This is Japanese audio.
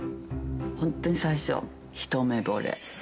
本当に最初、一目ぼれ。